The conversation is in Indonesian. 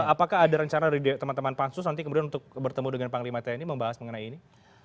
apakah ada rencana dari teman teman pansus nanti kemudian untuk bertemu dengan panglima tni membahas mengenai ini